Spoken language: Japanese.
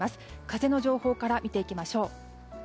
風の情報から見ていきましょう。